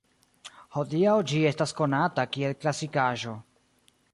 Hodiaŭ ĝi estas konata kiel klasikaĵo.